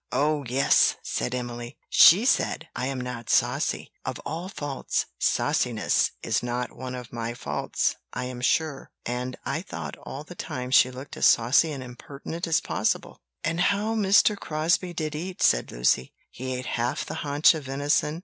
"Oh, yes!" said Emily; "she said, 'I am not saucy; of all faults, sauciness is not one of my faults, I am sure;' and I thought all the time she looked as saucy and impertinent as possible." "And how Mr. Crosbie did eat!" said Lucy; "he ate half the haunch of venison!